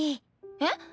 えっ？